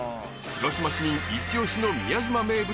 ［広島市民一押しの宮島名物